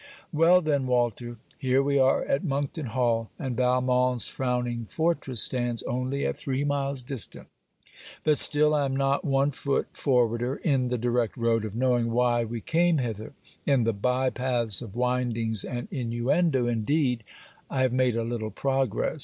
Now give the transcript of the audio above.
Well then, Walter; here we are at Monkton Hall, and Valmont's frowning fortress stands only at three miles distance; but still I am not one foot forwarder in the direct road of knowing why we came hither. In the bye paths of windings and inuendo, indeed, I have made a little progress.